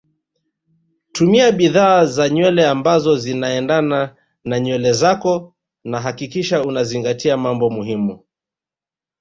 Tumia bidhaa za nywele ambazo zinaendana na nywele zako na hakikisha unazingatia mambo muhimu